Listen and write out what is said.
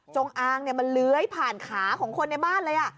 จงอ้างเนี่ยมันเลื้อยผ่านขาของคนในบ้านเลยอ่ะ